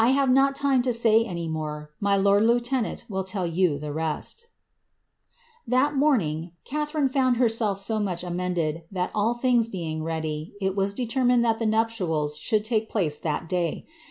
S2 re not time to say any more ; my lord lieutenant will tell you la That morning Catharine found herself so much amended, that all igs being ready, it was determined that the nuptials should take ce that day.